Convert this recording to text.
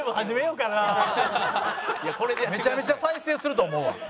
めちゃめちゃ再生すると思うわ。